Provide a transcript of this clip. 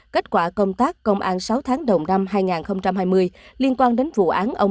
kết quả công tác công an sáu tháng đầu năm hai nghìn hai mươi liên quan đến vụ án ông